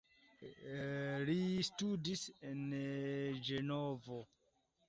Li studis en Ĝenovo.